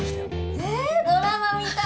えドラマみたい！